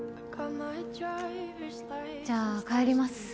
じゃあ帰ります。